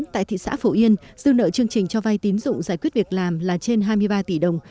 tại thị xã phổ yên dư nợ chương trình cho vay tín dụng giải quyết việc làm là trên hai mươi ba tỷ đồng